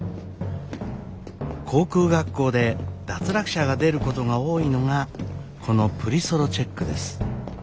航空学校で脱落者が出ることが多いのがこのプリソロチェックです。